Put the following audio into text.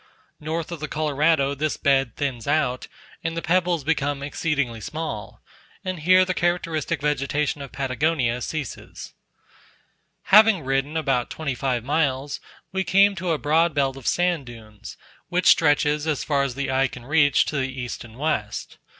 North of the Colorado this bed thins out, and the pebbles become exceedingly small, and here the characteristic vegetation of Patagonia ceases. Having ridden about twenty five miles, we came to a broad belt of sand dunes, which stretches, as far as the eye can reach, to the east and west.